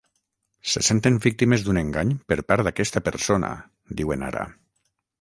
Se senten víctimes d’un engany per part d’aquesta persona, diuen ara.